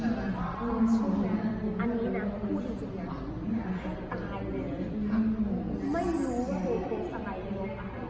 อันนี้นะพูดจริงจริงตายเลยไม่รู้ว่าคุณสมัยมีวงอาหารหรือเปล่า